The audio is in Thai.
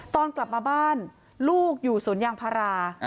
ตอนกลับมาบ้านลูกอยู่สวนยางพารา